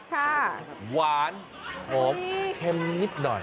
ค่ะหวานหอมแค่มนิดหน่อย